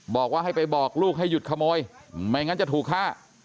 บอกว่าให้ไปบอกลูกให้หยุดขโมยไม่งั้นจะถูกฆ่า